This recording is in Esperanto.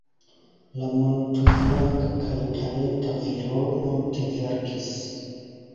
La multflanka kaj talenta viro multe verkis.